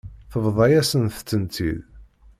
Tebḍa-yasent-tent-id.